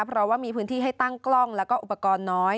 เพราะว่ามีพื้นที่ให้ตั้งกล้องแล้วก็อุปกรณ์น้อย